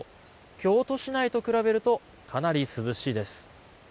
京都市内と比べるとかなり涼しいです。